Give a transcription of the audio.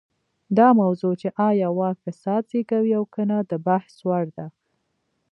دا موضوع چې ایا واک فساد زېږوي او که نه د بحث وړ ده.